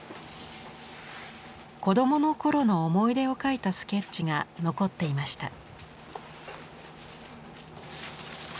子どもの頃の思い出を描いたスケッチが残っていました。